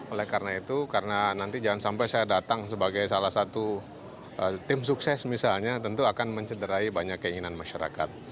oleh karena itu karena nanti jangan sampai saya datang sebagai salah satu tim sukses misalnya tentu akan mencederai banyak keinginan masyarakat